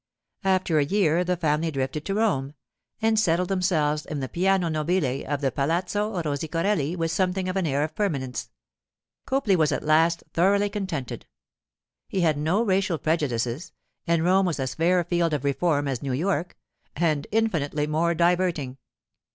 After a year the family drifted to Rome, and settled themselves in the piano nobile of the Palazzo Rosicorelli with something of an air of permanence. Copley was at last thoroughly contented; he had no racial prejudices, and Rome was as fair a field of reform as New York—and infinitely more diverting.